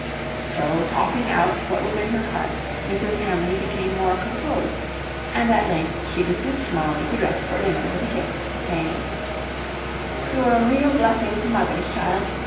So talking out what was in her heart, Mrs. Hamley became more composed; and at length she dismissed Molly to dress for dinner, with a kiss, saying, "You're a real blessing to mothers, child!